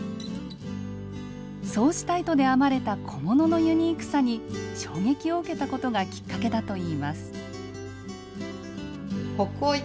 そうした糸で編まれた小物のユニークさに衝撃を受けたことがきっかけだといいます。